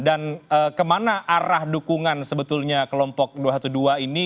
dan kemana arah dukungan sebetulnya kelompok dua ratus dua belas ini